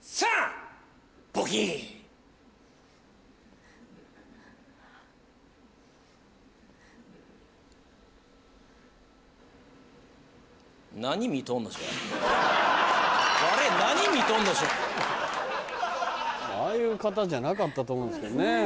ああいう方じゃなかったと思うんですけどね。